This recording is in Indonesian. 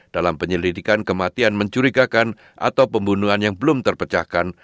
dalam penyelidikan kematian mencurigakan atau pembunuhan yang belum terpecahkan